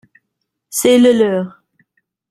C’est le leur.